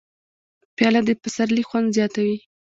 پیاله د پسرلي خوند زیاتوي.